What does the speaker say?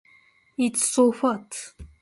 It so hurts.